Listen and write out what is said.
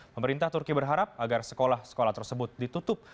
pemerintah turki berharap agar sekolah sekolah tersebut ditutup